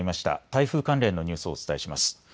台風関連のニュースをお伝えします。